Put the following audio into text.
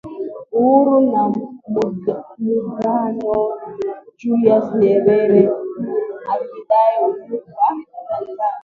Uhuru na Muungano Julius Nyerere akidai uhuru wa Tanganyika